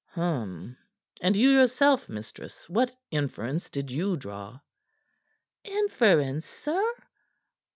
"Hum! And you yourself, mistress, what inference did you draw?" "Inference, sir?"